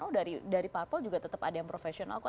oh dari parpol juga tetap ada yang profesional kok